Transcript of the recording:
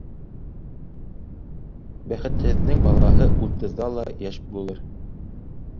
Бәхетһеҙҙең балаһы утыҙҙа ла йәш булыр.